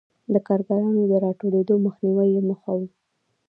د کارګرانو د راټولېدو مخنیوی یې موخه و.